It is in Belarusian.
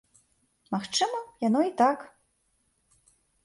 Магчыма, яно і так.